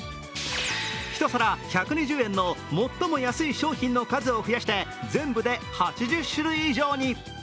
１皿１２０円の最も安い商品の数を増やして全部で８０種類以上に。